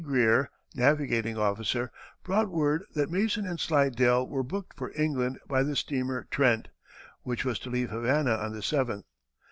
Greer, navigating officer, brought word that Mason and Slidell were booked for England by the steamer Trent, which was to leave Havana on the 7th.